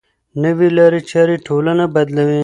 نوې لارې چارې ټولنه بدلوي.